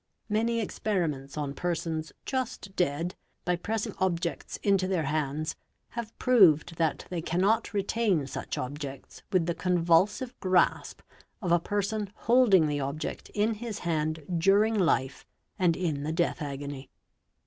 Many experiments on persons just dead, by pressing objects into their hands, have proved that they cannot retain such objects with the convulsive grasp of a person holding the object in his hand during life and in the death agony.